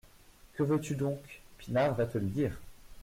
Que veux-tu donc ? Pinard va te le dire.